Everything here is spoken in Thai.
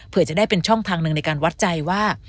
เพื่อจะได้เป็นช่องทางหนึ่งในการวัดใจว่า